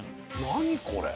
何これ？